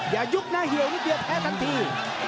อย่ายุบนะเหี่ยวนิดเดียวแพ้ทันที